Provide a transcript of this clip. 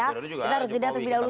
kita harus jelaskan lebih dahulu